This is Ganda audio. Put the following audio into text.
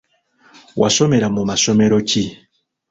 Wasomera mu masomero ki ?